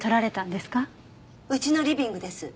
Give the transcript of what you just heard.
うちのリビングです。